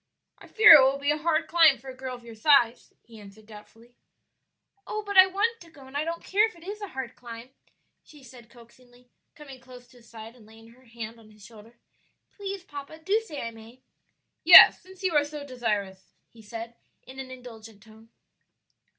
"I fear it will be a hard climb for a girl of your size," he answered doubtfully. "Oh, but I want to go, and I don't care if it is a hard climb," she said coaxingly, coming close to his side and laying her hand on his shoulder. "Please, papa, do say I may." "Yes, since you are so desirous," he said, in an indulgent tone.